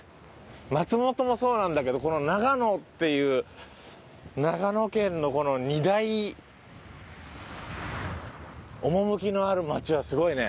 松本もそうなんだけどこの長野っていう長野県のこの二大趣のある町はすごいね。